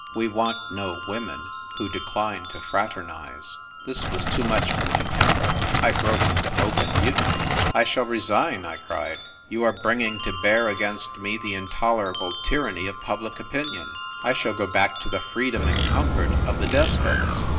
We want no women who decline to fraternise." This was too much for my temper. I broke into open mutiny. "I shall resign," I cried. "You are bringing to bear against me the intolerable tyranny of public opinion. I shall go back to the freedom and comfort of the Despots."